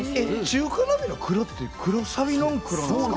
中華鍋の黒って黒サビの黒なんですか？